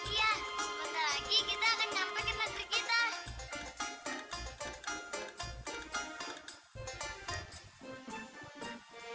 iya sebentar lagi kita akan nyampe ke negeri kita